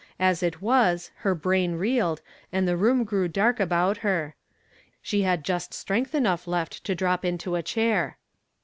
As it was, her brain reeled, and the room grew dark about her, she had just strength enough kft to drop into a cliair.